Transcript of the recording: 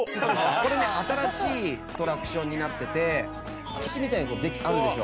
これね新しいアトラクションになっててキャップで飛び石みたいにあるでしょ？